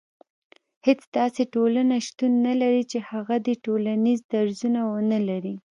هيڅ داسي ټولنه شتون نه لري چي هغه دي ټولنيز درځونه ونلري